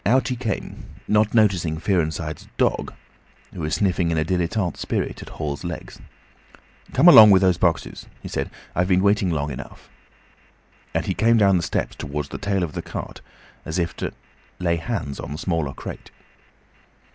Out he came, not noticing Fearenside's dog, who was sniffing in a dilettante spirit at Hall's legs. "Come along with those boxes," he said. "I've been waiting long enough." And he came down the steps towards the tail of the cart as if to lay hands on the smaller crate.